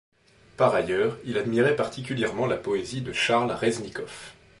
Par ailleurs, il admirait particulièrement la poésie de Charles Reznikoff.